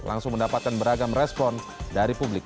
langsung mendapatkan beragam respon dari publik